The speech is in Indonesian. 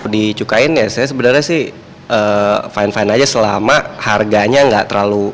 dicukain ya saya sebenarnya sih fine fine aja selama harganya nggak terlalu